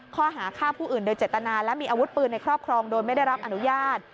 ข้อหาฆ่าผู้อื่นโดยเจตนาและมีอาวุธปืนในครอบครองโดยไม่ได้รับอนุญาต